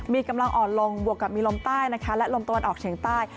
มีกำลังอ่อนลงบวกกับมีลมใต้นะคะและลมตะวันออกเฉียงใต้